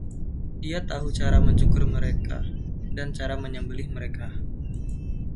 Dia tahu cara mencukur mereka, dan cara menyembelih mereka.